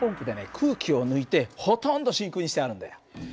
空気を抜いてほとんど真空にしてあるんだよ。